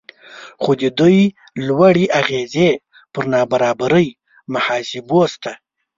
خو د دوی لوړې اغیزې پر نابرابرۍ محاسبو شته